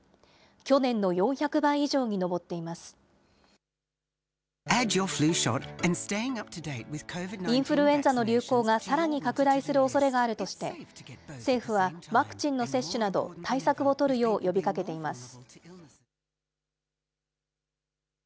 去年の４００倍以上に上っていまインフルエンザの流行がさらに拡大するおそれがあるとして、政府は、ワクチンの接種など、対策を取るよう呼びかけています。